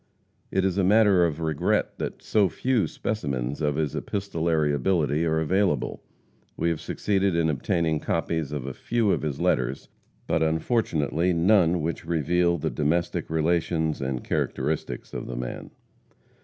It is a matter of regret that so few specimens of his epistolary ability are available. We have succeeded in obtaining copies of a few of his letters, but unfortunately none which reveal the domestic relations and characteristics of the man.